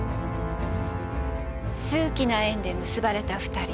数奇な縁で結ばれた二人。